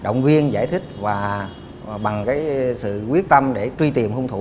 động viên giải thích và bằng sự quyết tâm để truy tìm hung thủ